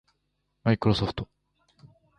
マイクロソフト